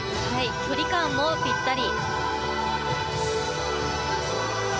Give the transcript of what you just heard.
距離感もぴったり。